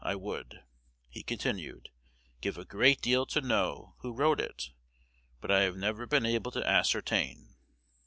I would,' he continued, 'give a great deal to know who wrote it; but I have never been able to ascertain.'